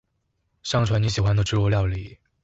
上傳你喜歡的豬肉料理